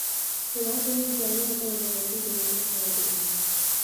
Мен ар дайым пианинодо ойногонду үйрөнүүнү каалайт элем.